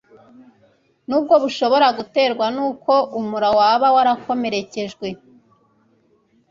nabwo bushobora guterwa n'uko umura waba wakomerekejwe